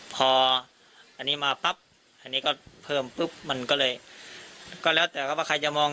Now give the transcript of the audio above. พออันนี้มาปั๊บอันนี้ก็เพิ่มปุ๊บมันก็เลยก็แล้วแต่ครับว่าใครจะมอง